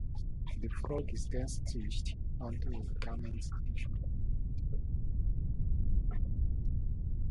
The frog is then stitched onto a garment, usually by hand.